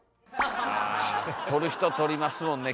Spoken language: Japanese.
あ取る人取りますもんね